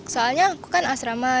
soalnya aku kan asrama